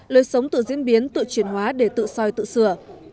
lối sống tự diễn biến tự chuyển hóa để tự soi tự sửa